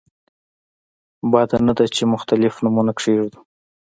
بده نه ده چې مختلف نومونه کېږدو.